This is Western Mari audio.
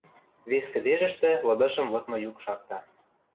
Вес кӹдежӹштӹ лыдышым лыдмы юк шакта.